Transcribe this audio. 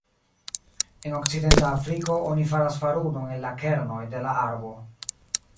En okcidenta Afriko oni faras farunon el la kernoj de la arbo.